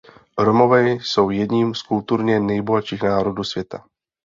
Romové jsou jedním z kulturně nejbohatších národů světa.